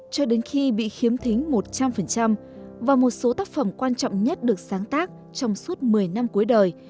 cho đến khi bị khiếm thính một trăm linh và một số tác phẩm quan trọng nhất được sáng tác trong suốt một mươi năm cuối đời